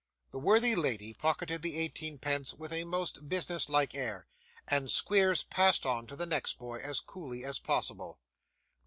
The worthy lady pocketed the eighteenpence with a most business like air, and Squeers passed on to the next boy, as coolly as possible.